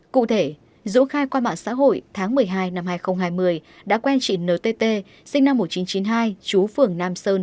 cụ thể dũ khai qua mạng xã hội tháng một mươi hai năm hai nghìn hai mươi đã quen chị ntt sinh năm một nghìn chín trăm chín mươi hai chú phường nam sơn